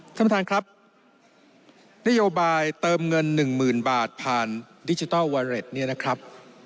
ท่านประธานครับนโยบายเติมเงินหนึ่งหมื่นบาทผ่านดิจิทัลวาเรตเนี่ยนะครับ